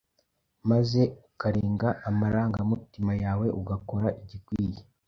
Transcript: maze ukarenga amarangamutima yawe ugakora igikwiye.